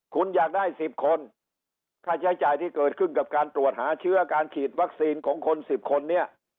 คุณอยากได้๑๐คนค่าใช้จ่ายที่เกิดขึ้นกับการตรวจหาเชื้อการฉีดวัคซีนของคน๑๐คนเนี่ย